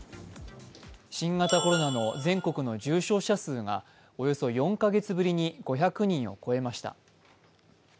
新型コロナの全国の重症者数がおよそ４カ月ぶりに５００人を超えました。